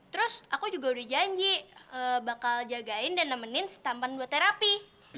terus aku juga udah janji bakal jagain dan nemenin tampan buat terapi